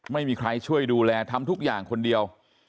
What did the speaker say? ไม่มีใครช่วยดูแลทำทุกอย่างคนเดียว